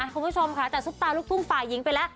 คุณผู้ชมค่ะจากซุปตาลูกทุ่งฝ่ายหญิงไปแล้ว